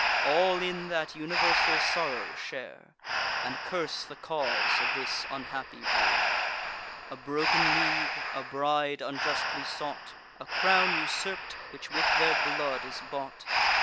All in that universal sorrow share, And curse the cause of this unhappy war: A broken league, a bride unjustly sought, A crown usurp'd, which with their blood is bought!